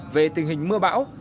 về tình hình mưa bão